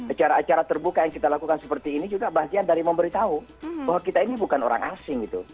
acara acara terbuka yang kita lakukan seperti ini juga bagian dari memberitahu bahwa kita ini bukan orang asing gitu